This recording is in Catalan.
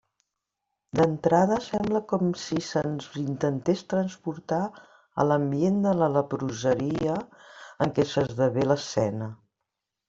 D'entrada sembla com si se'ns intentés transportar a l'ambient de la leproseria en què s'esdevé l'escena.